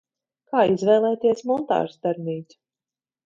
Kā izvēlēties montāžas darbnīcu?